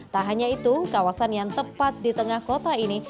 tak hanya itu kawasan yang tepat di tengah kota ini